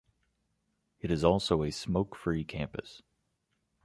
It is also a smoke-free campus.